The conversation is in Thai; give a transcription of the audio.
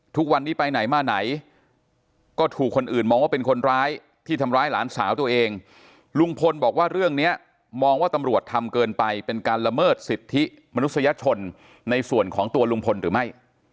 ทุกวันนี้ไปไหนมาไหนก็ถูกคนอื่นมองว่าเป็นคนร้ายที่ทำร้ายหลานสาวตัวเองลุงพลบอกว่าเรื่องนี้มองว่าตำรวจทำเกินไปเป็นการละเมิดสิทธิมนุษยชนในส่วนของตัวลุงพลหรือไม่